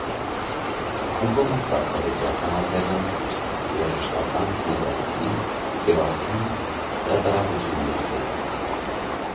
Ալբոմն ստացել է դրական արձագանքներ երաժշտական քննադատների և առցանց հրատարակությունների կողմից։